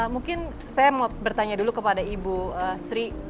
mungkin saya mau bertanya dulu kepada ibu sri